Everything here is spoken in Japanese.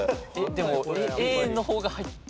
でもＡの方が入ってそう。